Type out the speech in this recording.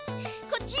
こっち！